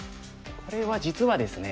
これは実はですね